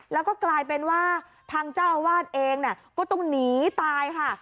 แล้วก็กลายเป็นว่าทางเจ้าอาวาสเองก็ต้องหนีตายค่ะ